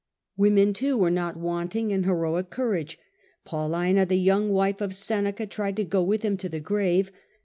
Women too were not wanting in heroic courage. Paulina, the young wife of Seneca, among the tried to go with him to the grave.